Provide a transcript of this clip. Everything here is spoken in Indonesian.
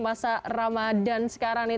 masa ramadhan sekarang nih